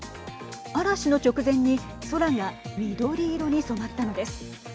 嵐の直前に空が緑色に染まったのです。